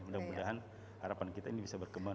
mudah mudahan harapan kita ini bisa berkembang